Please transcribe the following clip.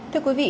thưa quý vị